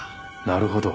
なるほど。